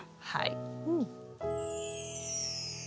はい。